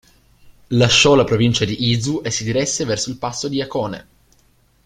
Lasciò la provincia di Izu e si diresse verso il passo di Hakone.